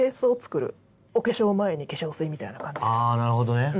あなるほどね。